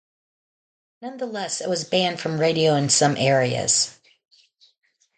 Nonetheless it was banned from radio in some areas.